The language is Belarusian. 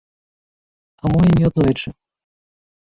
А мо і неаднойчы.